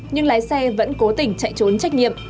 nhưng lái xe vẫn cố tình chạy trốn trách nhiệm